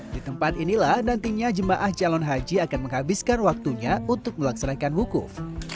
di tempat inilah nantinya jemaah calon haji akan menghabiskan waktunya untuk melaksanakan wukuf